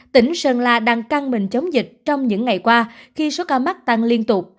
tỉnh sơn la đang căng mình chống dịch trong những ngày qua khi số ca mắc tăng liên tục